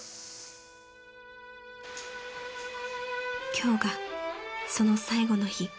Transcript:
［今日がその最後の日］